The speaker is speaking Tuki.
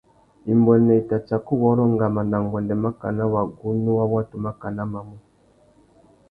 Imbuênê i tà tsaka uwôrrô ngama nà nguêndê makana wagunú wa watu makana mamú.